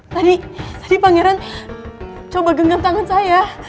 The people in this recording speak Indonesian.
tadi pangeran coba genggam tangan saya